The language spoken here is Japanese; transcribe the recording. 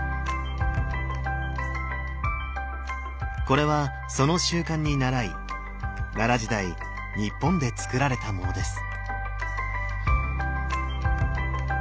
これはその習慣にならい奈良時代日本で造られたものです。